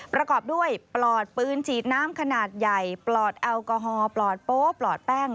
ประกอบด้วยปลอดปืนฉีดน้ำขนาดใหญ่ปลอดแอลกอฮอล์ปลอดโป๊ปลอดแป้ง